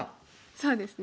そうですね。